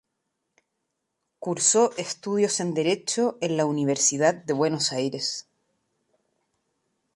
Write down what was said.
Cursó estudios en Derecho en la Universidad de Buenos Aires.